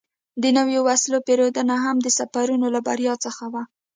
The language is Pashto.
د نویو وسلو پېرودنه یې هم د سفرونو له بریاوو څخه وه.